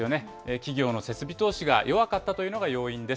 企業の設備投資が弱かったというのが要因です。